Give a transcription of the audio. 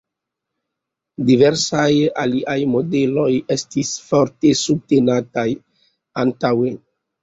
Diversaj alia modeloj estis forte subtenataj antaŭe.